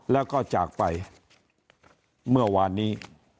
แล้วก็จากไปเมื่อวานนี้